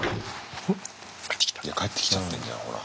いや帰ってきちゃってんじゃんほら。